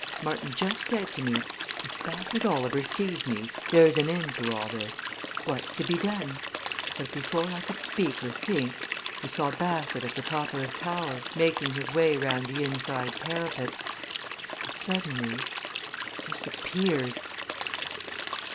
Martin just said to me 'If Bassett Oliver sees me, there's an end to all this what's to be done?' But before I could speak or think, we saw Bassett at the top of the tower, making his way round the inside parapet. And suddenly he disappeared!"